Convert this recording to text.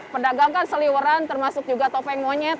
pedagang kan seliweran termasuk juga topeng monyet